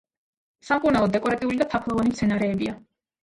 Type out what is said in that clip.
სამკურნალო, დეკორატიული და თაფლოვანი მცენარეებია.